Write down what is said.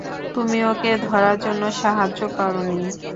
তুমি ওকে ধরার জন্য সাহায্য করোনি।